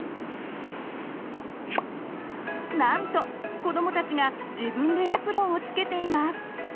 なんと子どもたちが自分でエプロンをつけています！